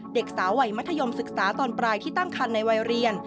เด็กสาววัยมัธยมศึกษาตอนปลายที่ตั้งคันในวัยเรียน